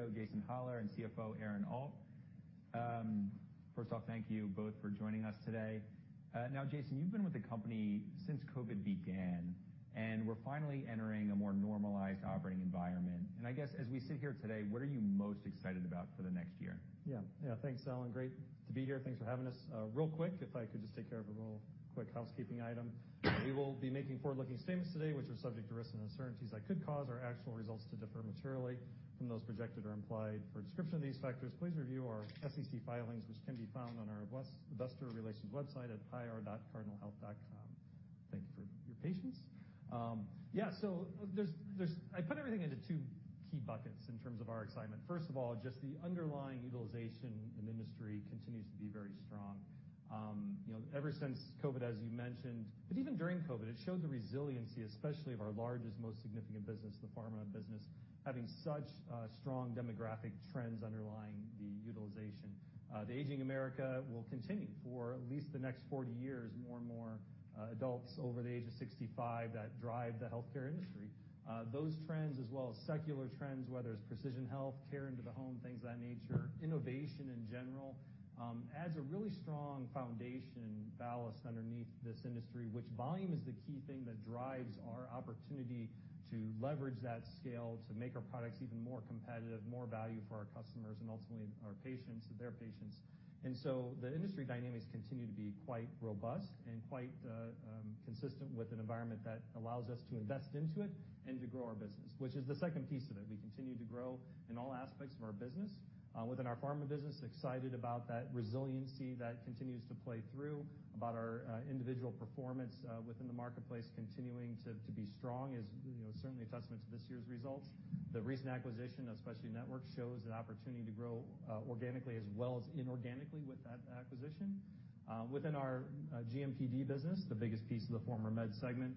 CEO Jason Hollar and CFO Aaron Alt. First off, thank you both for joining us today. Now, Jason, you've been with the company since COVID began, and we're finally entering a more normalized operating environment. I guess, as we sit here today, what are you most excited about for the next year? Yeah. Yeah, thanks, Allen. Great to be here. Thanks for having us. Real quick, if I could just take care of a real quick housekeeping item. We will be making forward-looking statements today, which are subject to risks and uncertainties that could cause our actual results to differ materially from those projected or implied. For a description of these factors, please review our SEC filings, which can be found on our investor relations website at ir.cardinalhealth.com. Thank you for your patience. Yeah, so there's—I put everything into two key buckets in terms of our excitement. First of all, just the underlying utilization in the industry continues to be very strong. You know, ever since COVID, as you mentioned, but even during COVID, it showed the resiliency, especially of our largest, most significant business, the Pharma business, having such strong demographic trends underlying the utilization. The aging America will continue for at least the next 40 years, more and more adults over the age of 65 that drive the healthcare industry. Those trends, as well as secular trends, whether it's precision health, care into the home, things of that nature, innovation in general, adds a really strong foundation ballast underneath this industry, which volume is the key thing that drives our opportunity to leverage that scale, to make our products even more competitive, more value for our customers and ultimately our patients, their patients. The industry dynamics continue to be quite robust and quite consistent with an environment that allows us to invest into it and to grow our business, which is the second piece of it. We continue to grow in all aspects of our business. Within our Pharma business, excited about that resiliency that continues to play through, about our individual performance within the marketplace continuing to be strong is, you know, certainly a testament to this year's results. The recent acquisition, especially Specialty Networks, shows an opportunity to grow organically as well as inorganically with that acquisition. Within our GMPD business, the biggest piece of the former Med segment,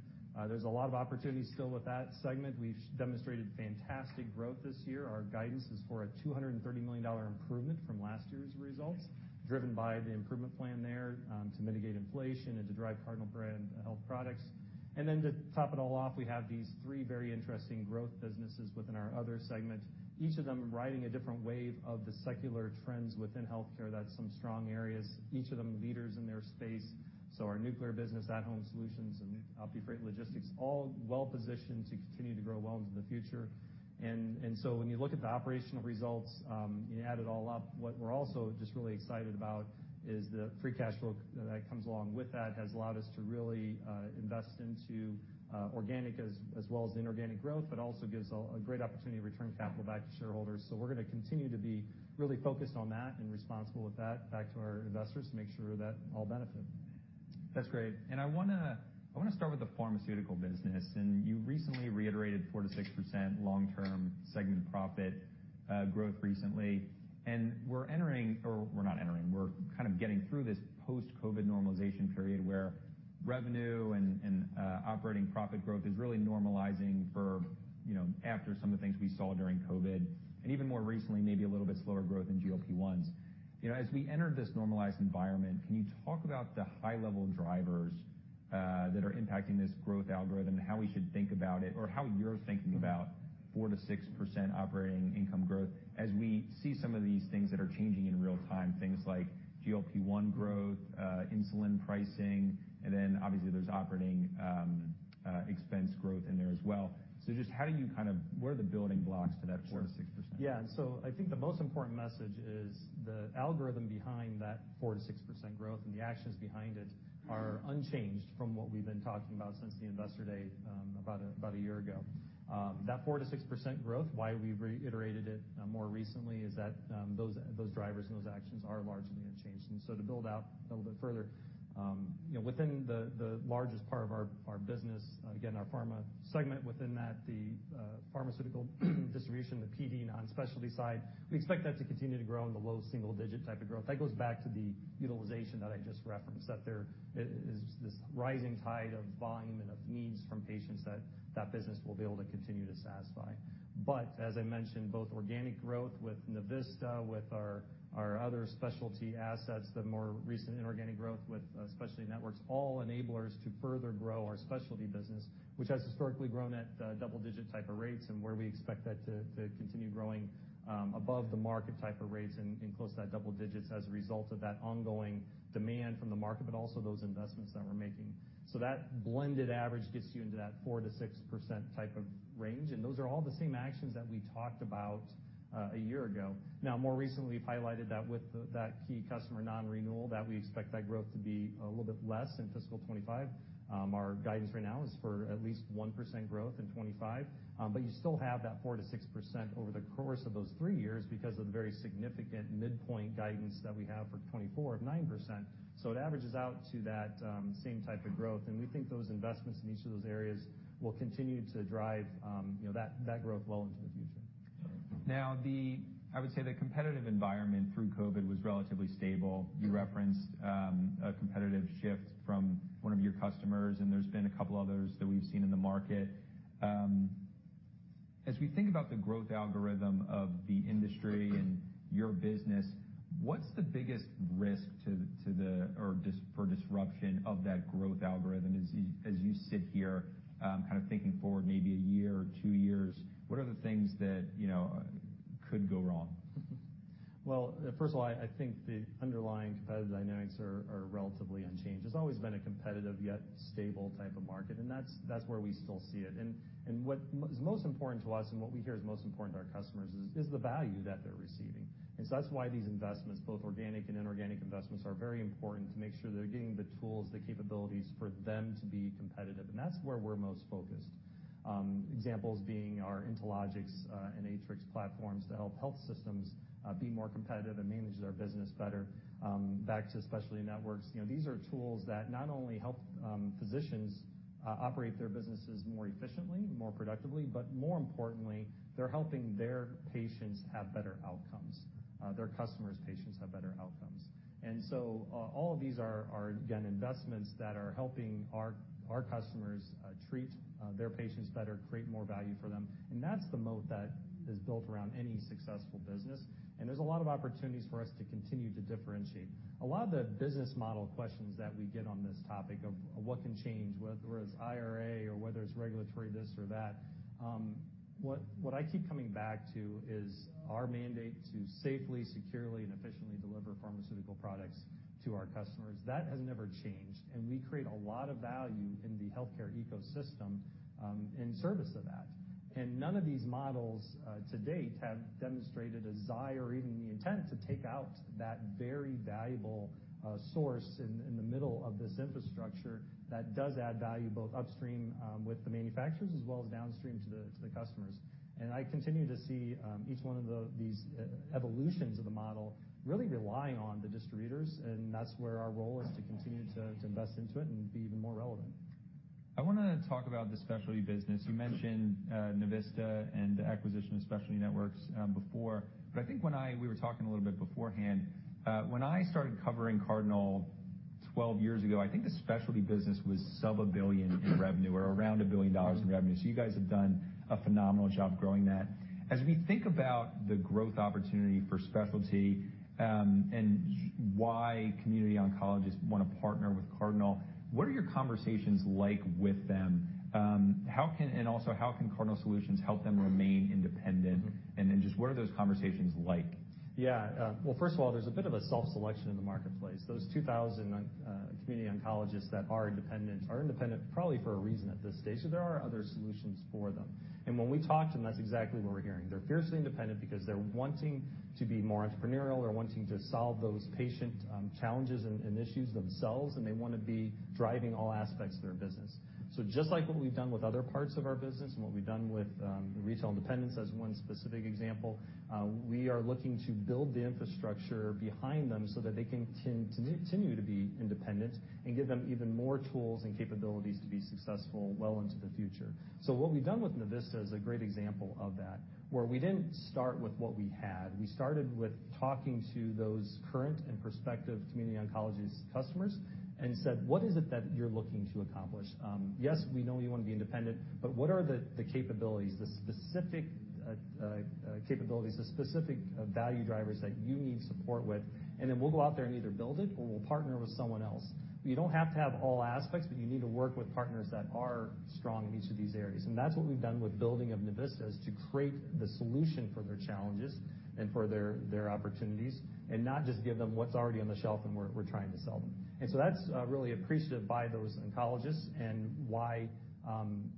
there's a lot of opportunities still with that segment. We've demonstrated fantastic growth this year. Our guidance is for a $230 million improvement from last year's results, driven by the improvement plan there to mitigate inflation and to drive Cardinal Health Brand products. And then, to top it all off, we have these three very interesting growth businesses within our Other segment, each of them riding a different wave of the secular trends within healthcare. That's some strong areas, each of them leaders in their space, so our Nuclear business, at-Home Solutions, and OptiFreight Logistics, all well positioned to continue to grow well into the future. So when you look at the operational results, you add it all up, what we're also just really excited about is the free cash flow that comes along with that has allowed us to really invest into organic as well as inorganic growth, but also gives a great opportunity to return capital back to shareholders. So we're going to continue to be really focused on that and responsible with that, back to our investors, to make sure that all benefit. That's great. I want to start with the Pharmaceutical business, and you recently reiterated 4%-6% long-term segment profit growth recently. We're entering, or we're not entering, we're kind of getting through this post-COVID normalization period, where revenue and operating profit growth is really normalizing, you know, after some of the things we saw during COVID, and even more recently, maybe a little bit slower growth in GLP-1s. You know, as we enter this normalized environment, can you talk about the high-level drivers that are impacting this growth algorithm, and how we should think about it, or how you're thinking about 4%-6% operating income growth as we see some of these things that are changing in real time, things like GLP-1 growth, insulin pricing, and then obviously, there's operating expense growth in there as well. So just how do you kind of—what are the building blocks to that 4%-6%? Sure. Yeah, so I think the most important message is the algorithm behind that 4%-6% growth, and the actions behind it are unchanged from what we've been talking about since the investor day about a year ago. That 4%-6% growth, why we've reiterated it more recently, is that those drivers and those actions are largely unchanged. So to build out a little bit further, you know, within the largest part of our business, again, our Pharma segment within that, the Pharmaceutical Distribution, the PD non-specialty side, we expect that to continue to grow in the low single-digit type of growth. That goes back to the utilization that I just referenced, that there is, is this rising tide of volume and of needs from patients that, that business will be able to continue to satisfy. But as I mentioned, both organic growth with Navista, with our, our other Specialty assets, the more recent inorganic growth with, Specialty Networks, all enablers to further grow our Specialty business, which has historically grown at, double-digit type of rates, and where we expect that to, to continue growing, above the market type of rates and, and close to that double digits as a result of that ongoing demand from the market, but also those investments that we're making. So that blended average gets you into that 4%-6% type of range, and those are all the same actions that we talked about, a year ago. Now, more recently, we've highlighted that with that key customer non-renewal, that we expect that growth to be a little bit less in fiscal 2025. Our guidance right now is for at least 1% growth in 2025, but you still have that 4%-6% over the course of those three years because of the very significant midpoint guidance that we have for 2024 of 9%. So it averages out to that same type of growth, and we think those investments in each of those areas will continue to drive you know that growth well into the future. Now, I would say the competitive environment through COVID was relatively stable. You referenced a competitive shift from one of your customers, and there's been a couple others that we've seen in the market. As we think about the growth algorithm of the industry and your business, what's the biggest risk to the or disruption of that growth algorithm as you sit here, kind of thinking forward maybe a year or two years, what are the things that, you know, could go wrong? Well, first of all, I think the underlying competitive dynamics are relatively unchanged. It's always been a competitive, yet stable type of market, and that's where we still see it. And what is most important to us, and what we hear is most important to our customers is the value that they're receiving. And so that's why these investments, both organic and inorganic investments, are very important to make sure they're getting the tools, the capabilities for them to be competitive. And that's where we're most focused. Examples being our InteLogix and Atrix platforms to help health systems be more competitive and manage their business better, back to Specialty Networks. You know, these are tools that not only help physicians operate their businesses more efficiently, more productively, but more importantly, they're helping their patients have better outcomes, their customers' patients have better outcomes. And so, all of these are again, investments that are helping our customers treat their patients better, create more value for them, and that's the moat that is built around any successful business. And there's a lot of opportunities for us to continue to differentiate. A lot of the business model questions that we get on this topic of what can change, whether it's IRA or whether it's regulatory this or that, what I keep coming back to is our mandate to safely, securely, and efficiently deliver pharmaceutical products to our customers. That has never changed, and we create a lot of value in the healthcare ecosystem, in service of that. And none of these models, to date, have demonstrated a desire or even the intent to take out that very valuable, source in, in the middle of this infrastructure that does add value, both upstream, with the manufacturers, as well as downstream to the, to the customers. And I continue to see, each one of the, these, evolutions of the model really relying on the distributors, and that's where our role is, to continue to, to invest into it and be even more relevant. I wanna talk about the Specialty business. You mentioned, Navista and the acquisition of Specialty Networks, before. But I think we were talking a little bit beforehand, when I started covering Cardinal 12 years ago, I think the Specialty business was sub-$1 billion in revenue or around $1 billion in revenue. So you guys have done a phenomenal job growing that. As we think about the growth opportunity for Specialty, and why community oncologists wanna partner with Cardinal, what are your conversations like with them? How can—and also, how can Cardinal solutions help them remain independent? Mm-hmm. Just what are those conversations like? Yeah, well, first of all, there's a bit of a self-selection in the marketplace. Those 2,000 on community oncologists that are independent are independent probably for a reason at this stage, so there are other solutions for them. And when we talk to them, that's exactly what we're hearing. They're fiercely independent because they're wanting to be more entrepreneurial, they're wanting to solve those patient challenges and issues themselves, and they wanna be driving all aspects of their business. So just like what we've done with other parts of our business and what we've done with retail independence, as one specific example, we are looking to build the infrastructure behind them so that they can continue to be independent and give them even more tools and capabilities to be successful well into the future. So what we've done with Navista is a great example of that, where we didn't start with what we had. We started with talking to those current and prospective community oncologist customers and said, "What is it that you're looking to accomplish? Yes, we know you wanna be independent, but what are the capabilities, the specific value drivers that you need support with? And then we'll go out there and either build it or we'll partner with someone else." You don't have to have all aspects, but you need to work with partners that are strong in each of these areas, and that's what we've done with building of Navista, is to create the solution for their challenges and for their opportunities, and not just give them what's already on the shelf and we're trying to sell them. And so that's really appreciated by those oncologists and why,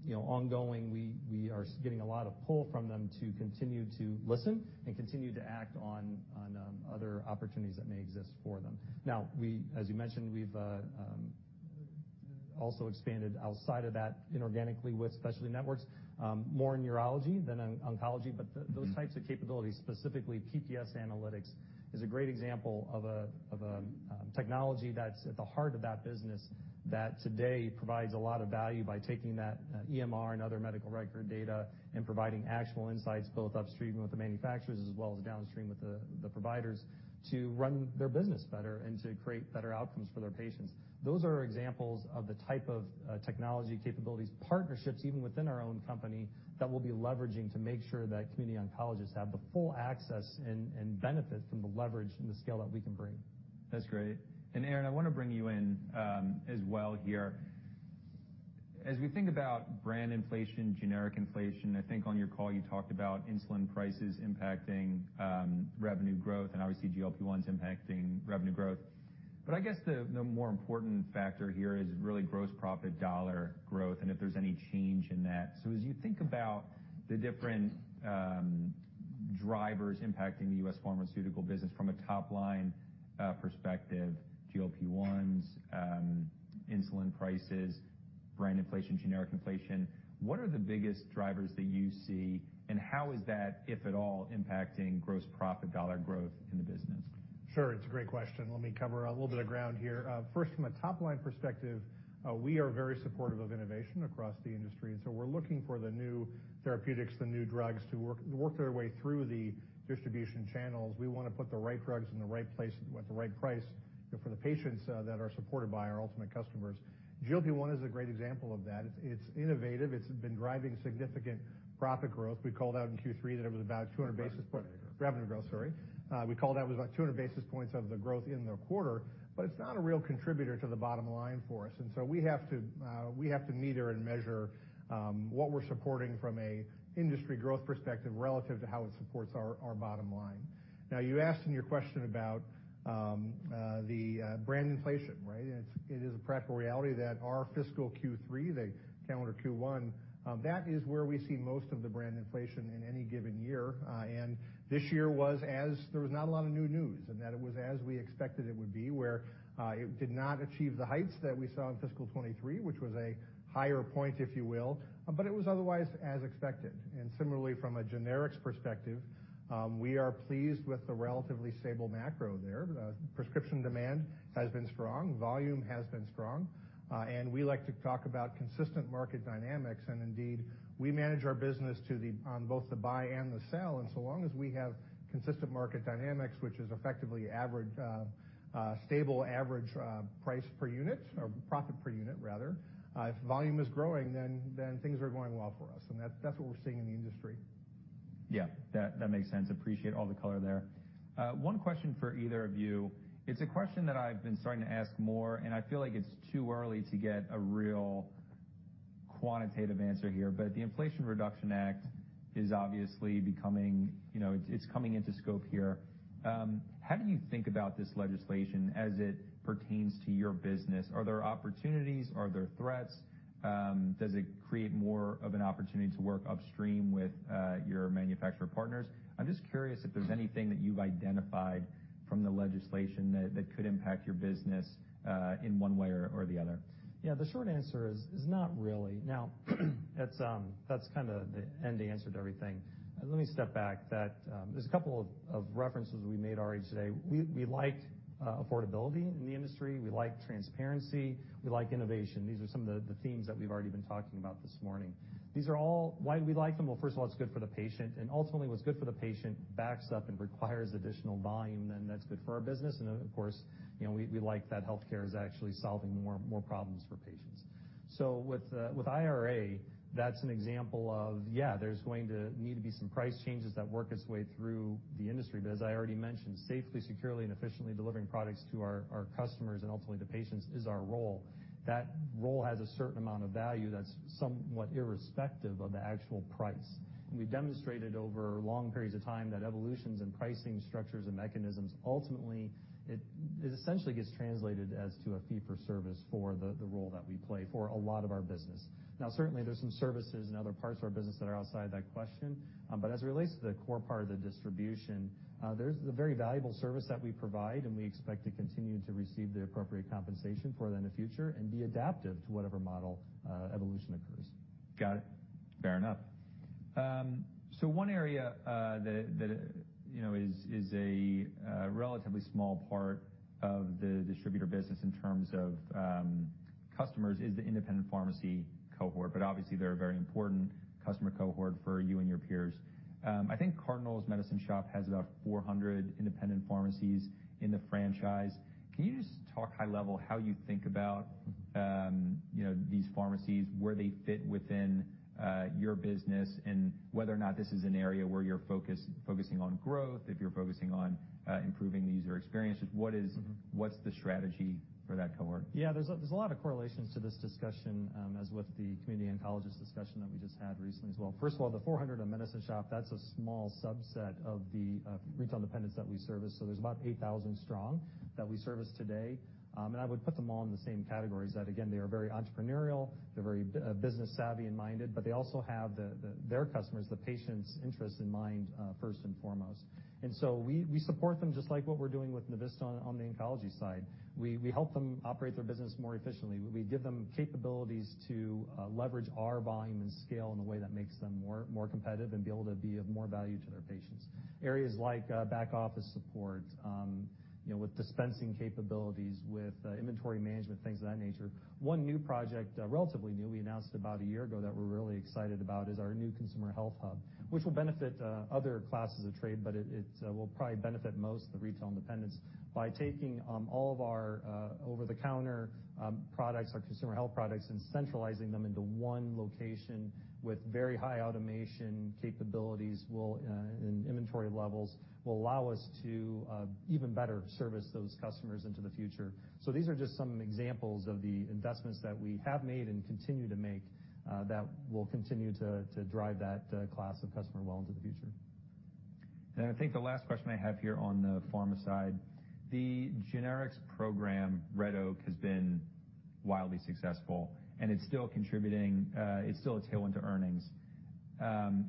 you know, ongoing, we are getting a lot of pull from them to continue to listen and continue to act on other opportunities that may exist for them. Now, we, as you mentioned, we've also expanded outside of that inorganically with Specialty Networks, more in neurology than in oncology. But those types of capabilities, specifically PPS Analytics, is a great example of a technology that's at the heart of that business, that today provides a lot of value by taking that EMR and other medical record data and providing actual insights, both upstream with the manufacturers as well as downstream with the providers, to run their business better and to create better outcomes for their patients. Those are examples of the type of technology capabilities, partnerships, even within our own company, that we'll be leveraging to make sure that community oncologists have the full access and benefit from the leverage and the scale that we can bring. That's great. And, Aaron, I wanna bring you in, as well here. As we think about brand inflation, generic inflation, I think on your call, you talked about insulin prices impacting, revenue growth and obviously GLP-1s impacting revenue growth. But I guess the more important factor here is really gross profit dollar growth and if there's any change in that. So as you think about the different, drivers impacting the U.S. Pharmaceutical business from a top-line, perspective, GLP-1s, insulin prices, brand inflation, generic inflation, what are the biggest drivers that you see, and how is that, if at all, impacting gross profit dollar growth in the business? Sure, it's a great question. Let me cover a little bit of ground here. First, from a top-line perspective, we are very supportive of innovation across the industry, and so we're looking for the new therapeutics, the new drugs to work their way through the distribution channels. We wanna put the right drugs in the right place at the right price for the patients that are supported by our ultimate customers. GLP-1 is a great example of that. It's innovative, it's been driving significant profit growth. We called out in Q3 that it was about 200 basis points of revenue growth, sorry. We called out it was about 200 basis points of the growth in the quarter, but it's not a real contributor to the bottom line for us. And so we have to we have to meter and measure what we're supporting from an industry growth perspective relative to how it supports our, our bottom line. Now, you asked in your question about the brand inflation, right? And it's, it is a practical reality that our fiscal Q3, the calendar Q1, that is where we see most of the brand inflation in any given year. And this year was, as there was not a lot of new news, and that it was as we expected it would be, where it did not achieve the heights that we saw in fiscal 2023, which was a higher point, if you will, but it was otherwise as expected. And similarly, from a generics perspective, we are pleased with the relatively stable macro there. Prescription demand has been strong, volume has been strong, and we like to talk about consistent market dynamics, and indeed, we manage our business to the—on both the buy and the sell. And so long as we have consistent market dynamics, which is effectively average, stable average, price per unit or profit per unit, rather, if volume is growing, then things are going well for us, and that's what we're seeing in the industry. Yeah, that, that makes sense. Appreciate all the color there. One question for either of you. It's a question that I've been starting to ask more, and I feel like it's too early to get a real quantitative answer here, but the Inflation Reduction Act is obviously becoming, you know, it's coming into scope here. How do you think about this legislation as it pertains to your business? Are there opportunities? Are there threats? Does it create more of an opportunity to work upstream with your manufacturer partners? I'm just curious if there's anything that you've identified from the legislation that, that could impact your business in one way or the other. Yeah, the short answer is not really. Now, that's, that's kind of the end answer to everything. Let me step back, that, there's a couple of references we made already today. We, we like, affordability in the industry. We like transparency. We like innovation. These are some of the themes that we've already been talking about this morning. These are all—why we like them? Well, first of all, it's good for the patient, and ultimately, what's good for the patient backs up and requires additional volume, then that's good for our business. And then, of course, you know, we, we like that healthcare is actually solving more problems for patients. So with, with IRA, that's an example of, yeah, there's going to need to be some price changes that work its way through the industry. But as I already mentioned, safely, securely, and efficiently delivering products to our customers and ultimately to patients is our role. That role has a certain amount of value that's somewhat irrespective of the actual price. And we've demonstrated over long periods of time that evolutions in pricing structures and mechanisms, ultimately, it essentially gets translated to a fee for service for the role that we play for a lot of our business. Now, certainly, there's some services in other parts of our business that are outside that question, but as it relates to the core part of the distribution, there's the very valuable service that we provide, and we expect to continue to receive the appropriate compensation for that in the future and be adaptive to whatever model evolution occurs. Got it. Fair enough. So one area, you know, a relatively small part of the distributor business in terms of customers, is the independent pharmacy cohort, but obviously, they're a very important customer cohort for you and your peers. I think Cardinal's Medicine Shoppe has about 400 independent pharmacies in the franchise. Can you just talk high level, how you think about, you know, these pharmacies, where they fit within your business, and whether or not this is an area where you're focusing on growth, if you're focusing on improving the user experience? What is— Mm-hmm. What's the strategy for that cohort? Yeah, there's a lot of correlations to this discussion, as with the community oncologist discussion that we just had recently as well. First of all, the 400 on Medicine Shoppe, that's a small subset of the retail independents that we service, so there's about 8,000 strong that we service today. And I would put them all in the same category as that again, they are very entrepreneurial, they're very business savvy and minded, but they also have their customers, the patient's interests in mind, first and foremost. And so we support them just like what we're doing with Navista on the oncology side. We help them operate their business more efficiently. We give them capabilities to leverage our volume and scale in a way that makes them more, more competitive and be able to be of more value to their patients. Areas like back office support, you know, with dispensing capabilities, with inventory management, things of that nature. One new project, relatively new, we announced about a year ago, that we're really excited about, is our new consumer health hub, which will benefit other classes of trade, but it will probably benefit most the retail independents. By taking all of our over-the-counter products, our consumer health products, and centralizing them into one location with very high automation capabilities will and inventory levels, will allow us to even better service those customers into the future. These are just some examples of the investments that we have made and continue to make that will continue to drive that class of customer well into the future. And I think the last question I have here on the Pharma side, the generics program, Red Oak, has been wildly successful, and it's still contributing, it's still a tailwind to earnings.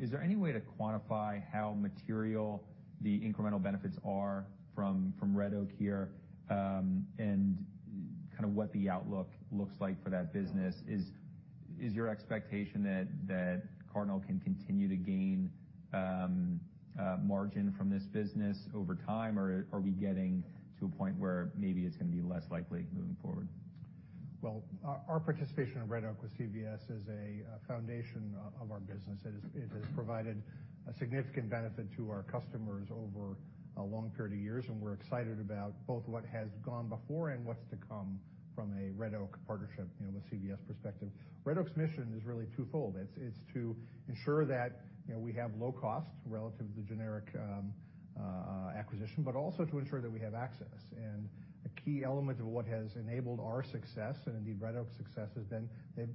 Is there any way to quantify how material the incremental benefits are from Red Oak here, and kind of what the outlook looks like for that business? Is your expectation that Cardinal can continue to gain margin from this business over time, or are we getting to a point where maybe it's gonna be less likely moving forward? Well, our participation in Red Oak with CVS is a foundation of our business. It has provided a significant benefit to our customers over a long period of years, and we're excited about both what has gone before and what's to come from a Red Oak partnership, you know, with CVS perspective. Red Oak's mission is really twofold. It's to ensure that, you know, we have low cost relative to the generic acquisition, but also to ensure that we have access. And a key element of what has enabled our success, and indeed, Red Oak's success, has been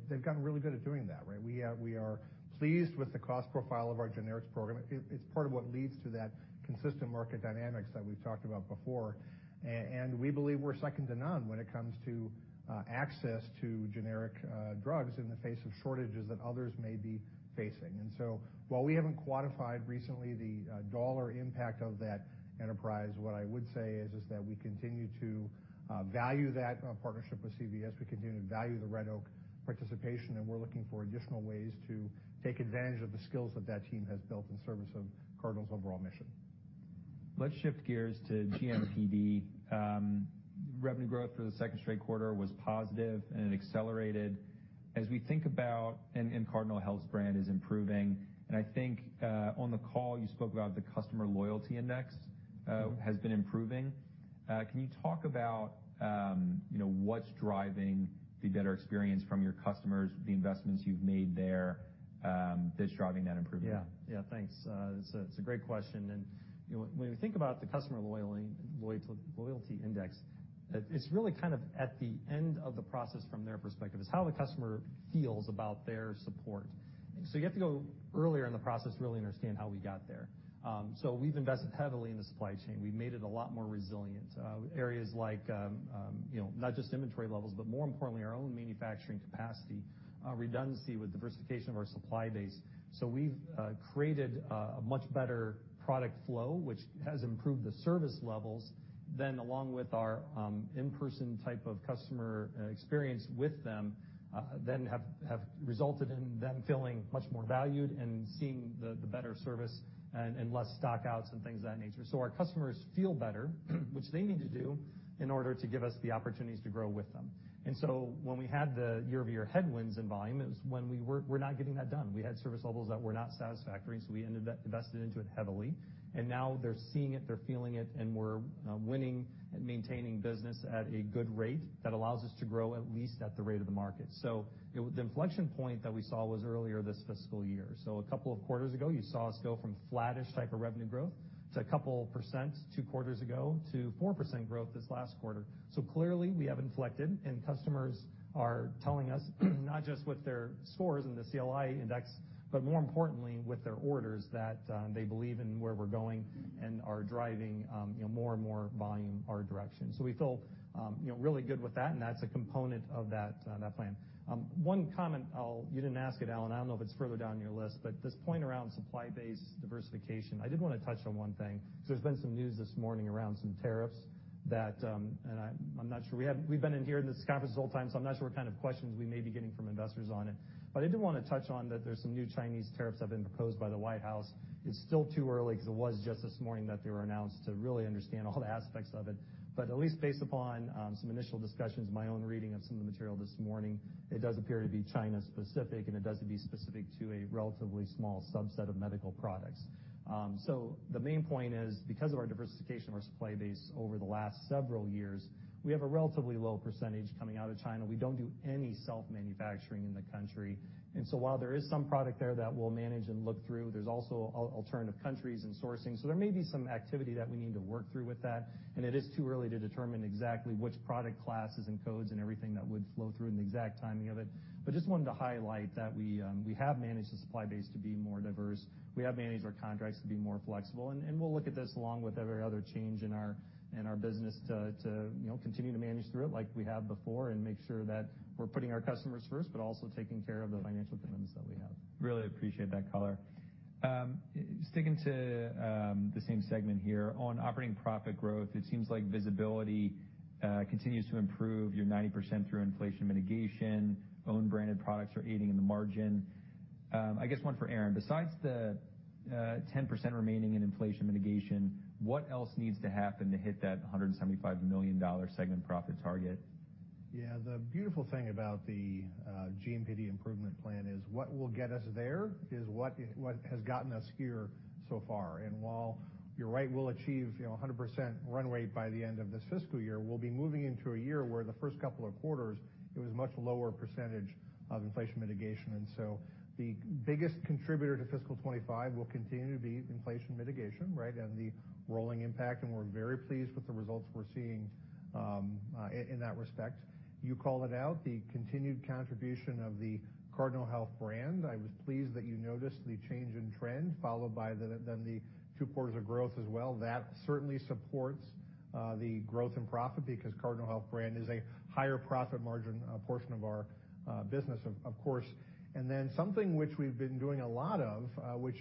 they've gotten really good at doing that, right? We are pleased with the cost profile of our generics program. It's part of what leads to that consistent market dynamics that we've talked about before. And we believe we're second to none when it comes to access to generic drugs in the face of shortages that others may be facing. And so while we haven't quantified recently the dollar impact of that enterprise, what I would say is that we continue to value that partnership with CVS. We continue to value the Red Oak participation, and we're looking for additional ways to take advantage of the skills that that team has built in service of Cardinal's overall mission. Let's shift gears to GMPD. Revenue growth for the second straight quarter was positive, and it accelerated. Cardinal Health's brand is improving, and I think on the call, you spoke about the Customer Loyalty Index has been improving. Can you talk about, you know, what's driving the better experience from your customers, the investments you've made there, that's driving that improvement? Yeah. Yeah, thanks. It's a great question, and, you know, when we think about the Customer Loyalty Index, it's really kind of at the end of the process from their perspective. It's how the customer feels about their support. So you have to go earlier in the process to really understand how we got there. So we've invested heavily in the supply chain. We've made it a lot more resilient. Areas like, you know, not just inventory levels, but more importantly, our own manufacturing capacity, redundancy with diversification of our supply base. So we've created a much better product flow, which has improved the service levels, then, along with our in-person type of customer experience with them, then have resulted in them feeling much more valued and seeing the better service and less stockouts and things of that nature. So our customers feel better, which they need to do, in order to give us the opportunities to grow with them. And so when we had the year-over-year headwinds in volume, it was when we were not getting that done. We had service levels that were not satisfactory, so we ended up invested into it heavily, and now they're seeing it, they're feeling it, and we're winning and maintaining business at a good rate that allows us to grow at least at the rate of the market. So, you know, the inflection point that we saw was earlier this fiscal year. So a couple of quarters ago, you saw us go from flattish type of revenue growth to a couple percent two quarters ago to 4% growth this last quarter. So clearly, we have inflected, and customers are telling us, not just with their scores in the CLI index, but more importantly with their orders, that, they believe in where we're going and are driving, you know, more and more volume our direction. So we feel, you know, really good with that, and that's a component of that, that plan. One comment I'll—You didn't ask it, Allen, I don't know if it's further down your list, but this point around supply base diversification, I did want to touch on one thing, because there's been some news this morning around some tariffs that, and I'm not sure—we've been in here, in this conference the whole time, so I'm not sure what kind of questions we may be getting from investors on it. But I do want to touch on that there's some new Chinese tariffs that have been proposed by the White House. It's still too early, because it was just this morning that they were announced, to really understand all the aspects of it. But at least based upon some initial discussions, my own reading of some of the material this morning, it does appear to be China-specific, and it does seem to be specific to a relatively small subset of medical products. So the main point is, because of our diversification of our supply base over the last several years, we have a relatively low percentage coming out of China. We don't do any self-manufacturing in the country. And so while there is some product there that we'll manage and look through, there's also alternative countries and sourcing. So there may be some activity that we need to work through with that, and it is too early to determine exactly which product classes and codes and everything that would flow through and the exact timing of it. But just wanted to highlight that we, we have managed the supply base to be more diverse. We have managed our contracts to be more flexible, and we'll look at this along with every other change in our business to, you know, continue to manage through it like we have before and make sure that we're putting our customers first, but also taking care of the financial demands that we have. Really appreciate that color. Sticking to, the same segment here. On operating profit growth, it seems like visibility, continues to improve. You're 90% through inflation mitigation. Own branded products are aiding in the margin. I guess one for Aaron: Besides the, 10% remaining in inflation mitigation, what else needs to happen to hit that $175 million segment profit target? Yeah. The beautiful thing about the GMPD improvement plan is what will get us there is what has gotten us here so far. And while you're right, we'll achieve, you know, 100% runway by the end of this fiscal year, we'll be moving into a year where the first couple of quarters, it was much lower percentage of inflation mitigation. And so the biggest contributor to fiscal 2025 will continue to be inflation mitigation, right, and the rolling impact, and we're very pleased with the results we're seeing in that respect. You called it out, the continued contribution of the Cardinal Health brand. I was pleased that you noticed the change in trend, followed by then the two quarters of growth as well. That certainly supports the growth in profit because Cardinal Health Brand is a higher profit margin portion of our business, of course. And then something which we've been doing a lot of, which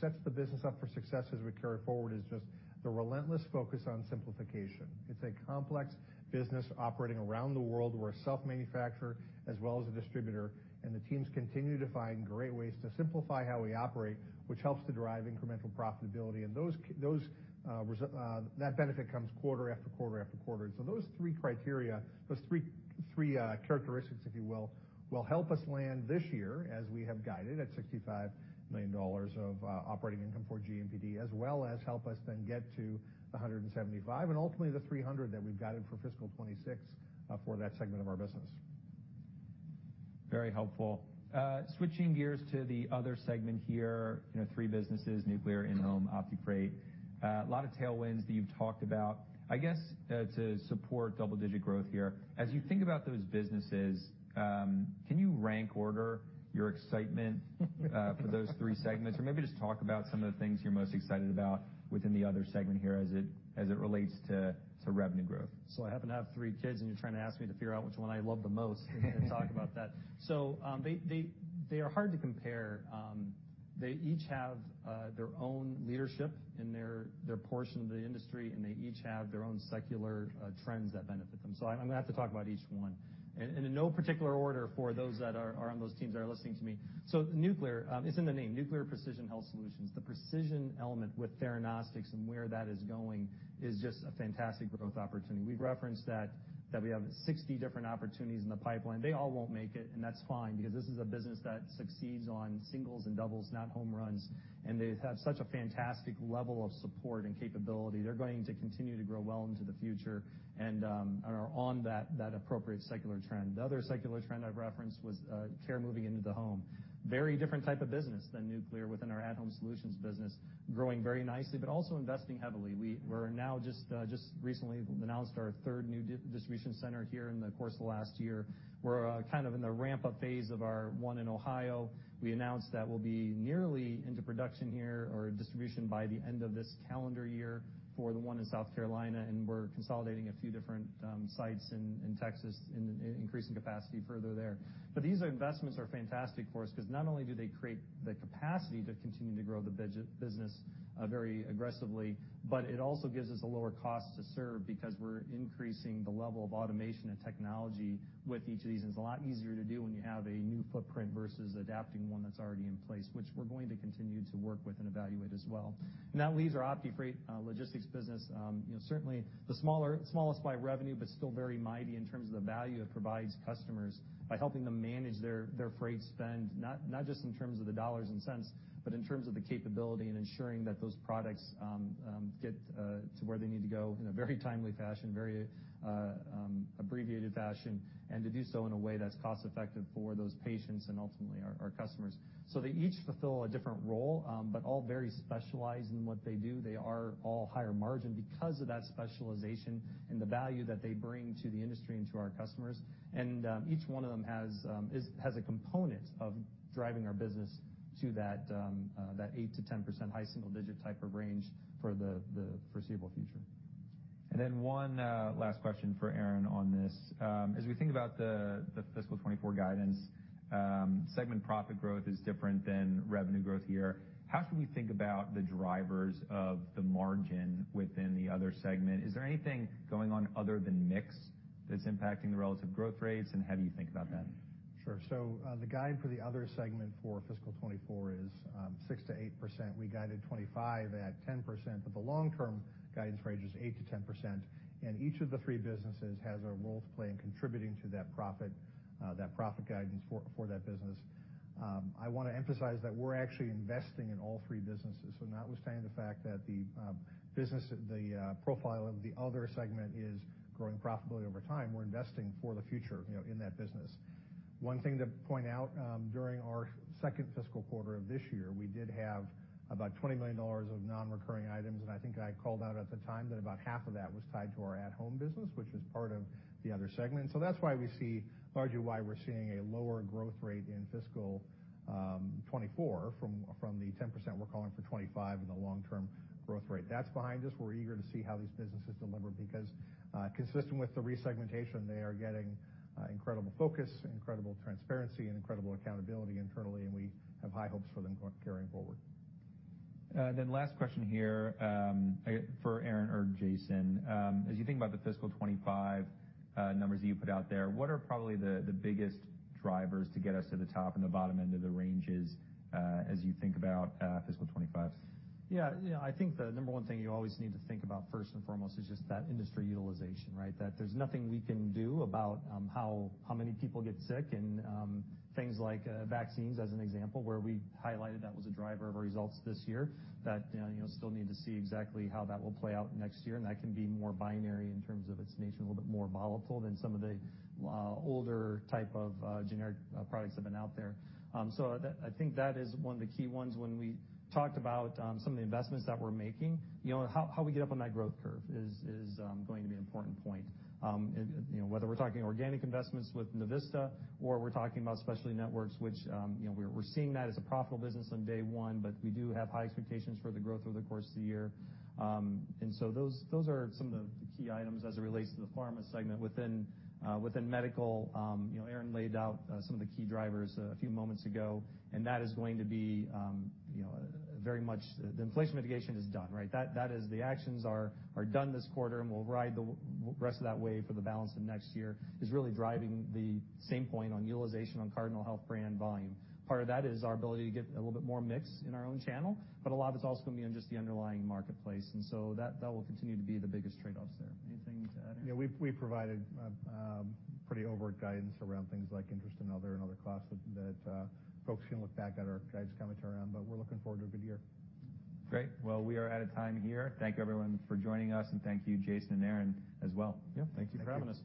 sets the business up for success as we carry forward, is just the relentless focus on simplification. It's a complex business operating around the world. We're a self-manufacturer as well as a distributor, and the teams continue to find great ways to simplify how we operate, which helps to drive incremental profitability. And those that benefit comes quarter-after-quarter-after-quarter. So those three criteria, those three characteristics, if you will, will help us land this year, as we have guided, at $65 million of operating income for GMPD, as well as help us then get to $175 million and ultimately, the $300 million that we've guided for fiscal 2026, for that segment of our business. Very helpful. Switching gears to the Other segment here, you know, three businesses, Nuclear, at-Home, OptiFreight. A lot of tailwinds that you've talked about. I guess, to support double-digit growth here, as you think about those businesses, can you rank order your excitement for those three segments? Or maybe just talk about some of the things you're most excited about within the Other segment here, as it relates to revenue growth. So I happen to have three kids, and you're trying to ask me to figure out which one I love the most and talk about that. So, they are hard to compare. They each have their own leadership in their portion of the industry, and they each have their own secular trends that benefit them, so I'm gonna have to talk about each one. And, in no particular order for those that are on those teams that are listening to me. So Nuclear, it's in the name, Nuclear Precision Health Solutions. The precision element with theranostics and where that is going is just a fantastic growth opportunity. We've referenced that we have 60 different opportunities in the pipeline. They all won't make it, and that's fine, because this is a business that succeeds on singles and doubles, not home runs, and they have such a fantastic level of support and capability. They're going to continue to grow well into the future and are on that, that appropriate secular trend. The other secular trend I've referenced was care moving into the home. Very different type of business than Nuclear within our at-Home Solutions business, growing very nicely but also investing heavily. We're now just recently announced our third new distribution center here in the course of the last year. We're kind of in the ramp-up phase of our one in Ohio. We announced that we'll be nearly into production here or distribution by the end of this calendar year for the one in South Carolina, and we're consolidating a few different sites in Texas and increasing capacity further there. But these investments are fantastic for us, 'cause not only do they create the capacity to continue to grow the business very aggressively, but it also gives us a lower cost to serve because we're increasing the level of automation and technology with each of these. And it's a lot easier to do when you have a new footprint versus adapting one that's already in place, which we're going to continue to work with and evaluate as well. And that leaves our OptiFreight Logistics business. You know, certainly the smaller, smallest by revenue, but still very mighty in terms of the value it provides customers by helping them manage their freight spend, not just in terms of the dollars and cents, but in terms of the capability and ensuring that those products get to where they need to go in a very timely fashion, very abbreviated fashion, and to do so in a way that's cost effective for those patients and ultimately our customers. So they each fulfill a different role, but all very specialized in what they do. They are all higher margin because of that specialization and the value that they bring to the industry and to our customers. Each one of them has a component of driving our business to that 8%-10%, high single-digit type of range for the foreseeable future. And then one last question for Aaron on this. As we think about the, the fiscal 2024 guidance, segment profit growth is different than revenue growth here. How should we think about the drivers of the margin within the Other segment? Is there anything going on other than mix that's impacting the relative growth rates, and how do you think about that? Sure. So, the guide for the Other segment for fiscal 2024 is 6%-8%. We guided 2025 at 10%, but the long-term guidance range is 8%-10%, and each of the three businesses has a role to play in contributing to that profit, that profit guidance for, for that business. I wanna emphasize that we're actually investing in all three businesses, so notwithstanding the fact that the business, the profile of the Other segment is growing profitability over time, we're investing for the future, you know, in that business. One thing to point out, during our second fiscal quarter of this year, we did have about $20 million of non-recurring items, and I think I called out at the time that about $10 million of that was tied to our at-Home business, which is part of the Other segment. So that's why we see, largely why we're seeing a lower growth rate in fiscal 2024 from the 10% we're calling for 2025 and the long-term growth rate. That's behind us. We're eager to see how these businesses deliver, because, consistent with the resegmentation, they are getting incredible focus, incredible transparency, and incredible accountability internally, and we have high hopes for them carrying forward. Then last question here, I guess for Aaron or Jason. As you think about the fiscal 2025 numbers that you put out there, what are probably the, the biggest drivers to get us to the top and the bottom end of the ranges, as you think about fiscal 2025? Yeah, you know, I think the number one thing you always need to think about first and foremost is just that industry utilization, right? That there's nothing we can do about how many people get sick, and things like vaccines, as an example, where we highlighted that was a driver of our results this year, that you know still need to see exactly how that will play out next year, and that can be more binary in terms of its nature, a little bit more volatile than some of the older type of generic products that have been out there. So that I think that is one of the key ones. When we talked about some of the investments that we're making, you know, how we get up on that growth curve is going to be an important point. And, you know, whether we're talking organic investments with Navista or we're talking about Specialty Networks, which, you know, we're seeing that as a profitable business on day one, but we do have high expectations for the growth over the course of the year. And so those are some of the key items as it relates to the Pharma segment. Within Medical, you know, Aaron laid out some of the key drivers a few moments ago, and that is going to be, you know, very much—the inflation mitigation is done, right? That is, the actions are done this quarter, and we'll ride the rest of that wave for the balance of next year, is really driving the same point on utilization on Cardinal Health Brand volume. Part of that is our ability to get a little bit more mix in our own channel, but a lot of it's also going to be in just the underlying marketplace, and so that will continue to be the biggest trade-offs there. Anything to add, Aaron? Yeah, we've provided pretty overt guidance around things like interest and other costs that folks can look back at our guidance commentary on, but we're looking forward to a good year. Great. Well, we are out of time here. Thank you, everyone, for joining us, and thank you, Jason and Aaron, as well. Yeah, thank you for having us.